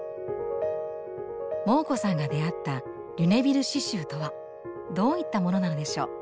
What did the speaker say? モー子さんが出会ったリュネビル刺しゅうとはどういったものなのでしょう？